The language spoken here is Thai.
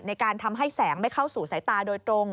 ในการทำให้แสงไม่เข้าสู่สายตาโดยตรง